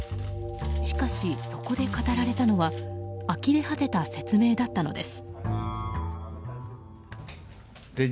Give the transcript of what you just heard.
しかし、そこで語られたのはあきれ果てた説明だったのです。